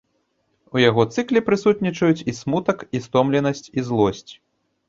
У яго цыкле прысутнічаюць і смутак, і стомленасць, і злосць.